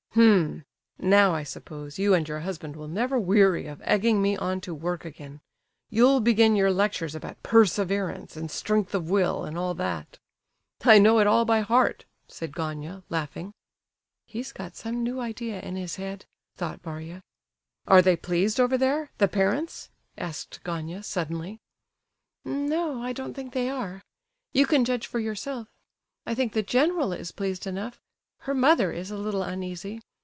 "H'm! now, I suppose, you and your husband will never weary of egging me on to work again. You'll begin your lectures about perseverance and strength of will, and all that. I know it all by heart," said Gania, laughing. "He's got some new idea in his head," thought Varia. "Are they pleased over there—the parents?" asked Gania, suddenly. "N no, I don't think they are. You can judge for yourself. I think the general is pleased enough; her mother is a little uneasy.